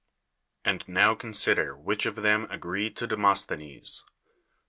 And now consider which of them agree to Demosthenes.